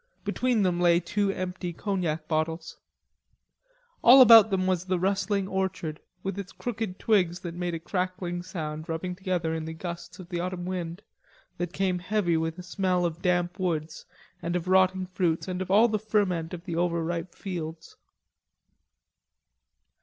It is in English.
Between them lay two empty cognac bottles. All about them was the rustling orchard, with its crooked twigs that made a crackling sound rubbing together in the gusts of the autumn wind, that came heavy with a smell of damp woods and of rotting fruits and of all the ferment of the overripe fields.